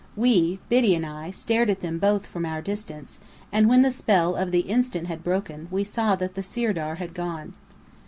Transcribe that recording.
We, Biddy and I, stared at them both from our distance; and when the spell of the instant had broken, we saw that the Sirdar had gone.